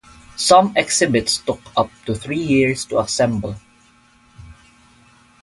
Some exhibits took up to three years to assemble.